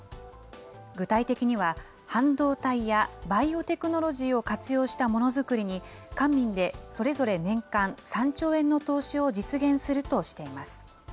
具体的には、半導体やバイオテクノロジーを活用したものづくりに、官民でそれぞれ年間３兆円の投資を実現するとしています。